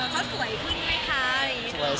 เขาสวยขึ้นไหมคะ